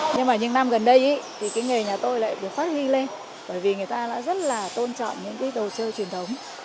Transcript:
nhưng mà những năm gần đây thì cái nghề nhà tôi lại được phát huy lên bởi vì người ta đã rất là tôn trọng những cái đồ chơi truyền thống